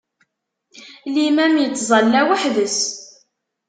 Limam ittẓalla weḥd-s.